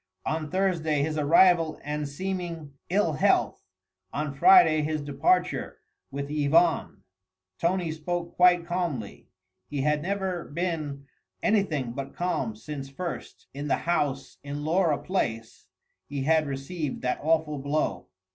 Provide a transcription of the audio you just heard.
On Thursday his arrival and seeming ill health, on Friday his departure with Yvonne. Tony spoke quite calmly. He had never been anything but calm since first, in the house in Laura Place, he had received that awful blow.